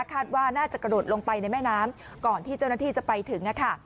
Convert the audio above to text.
คาดว่าน่าจะกระโดดลงไปในแม่น้ำก่อนที่เจ้าหน้าที่จะไปถึงค่ะ